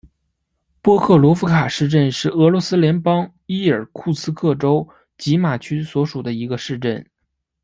波克罗夫卡市镇是俄罗斯联邦伊尔库茨克州济马区所属的一个市镇。